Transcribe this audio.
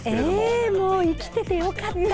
ええもう生きててよかった。